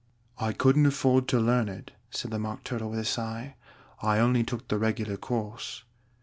"I couldn't afford to learn it," said the Mock Turtle with a sigh. "I only took the regular course."